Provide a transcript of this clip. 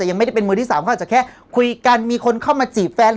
ยังไม่ได้เป็นมือที่สามเขาอาจจะแค่คุยกันมีคนเข้ามาจีบแฟน